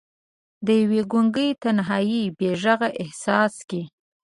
د یوې ګونګې تنهايۍ بې ږغ احساس کې